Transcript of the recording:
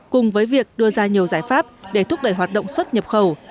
cùng với việc đưa ra nhiều giải pháp để thúc đẩy hoạt động xuất nhập khẩu